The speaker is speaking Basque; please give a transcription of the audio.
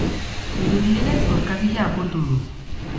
Dirudienez orkatila apurtu du.